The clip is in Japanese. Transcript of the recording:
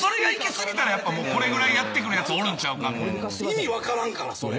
意味分からんからそれ。